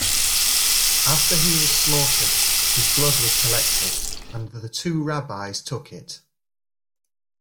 After he was slaughtered, his blood was collected, and the two rabbis took it.